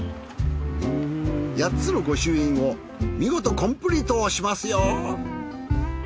８つの御朱印を見事コンプリートしますよ。